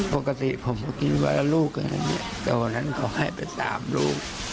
ปกติผมก็กินไปแล้วลูกเนี้ยแต่วันนั้นเขาให้ไปสามลูก